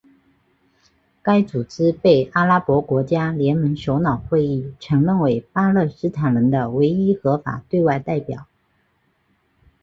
该组织被阿拉伯国家联盟首脑会议承认为巴勒斯坦人的唯一合法对外代表。